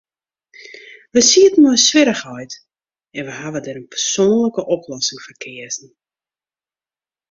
Wy sieten mei in swierrichheid, en wy hawwe dêr in persoanlike oplossing foar keazen.